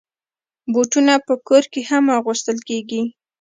بوټونه په کور کې هم اغوستل کېږي.